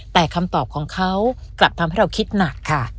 แต่คำตอบของเขากลับทำให้เราคิดหนักค่ะ